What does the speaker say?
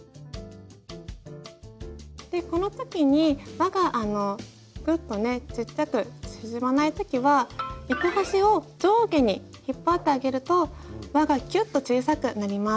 この時に輪がぐっとねちっちゃく縮まない時は糸端を上下に引っ張ってあげると輪がキュッと小さくなります。